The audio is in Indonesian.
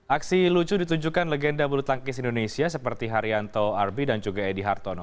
aksi lucu ditunjukkan legenda bulu tangkis indonesia seperti haryanto arbi dan juga edy hartono